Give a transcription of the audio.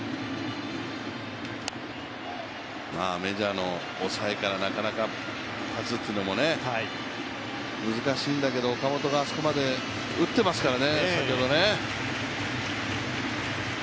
メジャーの抑えからなかなか一発というのも難しいんだけど、岡本があそこまで打ってますからね。